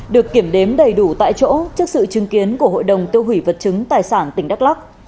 được kiểm đếm đầy đủ tại chỗ trước sự chứng kiến của hội đồng tiêu hủy vật chứng tài sản tỉnh đắk lắc